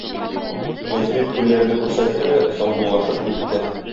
Гыйфрит күлләрне күрсәтте дә саубуллашып китте.